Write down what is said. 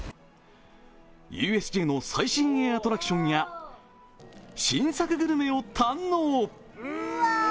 ＵＳＪの最新鋭アトラクションや新作グルメを堪能。